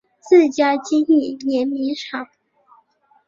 自家经营碾米厂